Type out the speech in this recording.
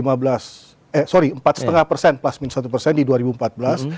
kebijakan itu sudah sesuai dengan proyeksi target deduksi kita di dua ribu empat belas sebesar empat plus minus satu